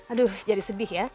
aduh jadi sedih ya